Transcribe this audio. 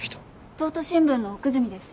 東都新聞の奥泉です。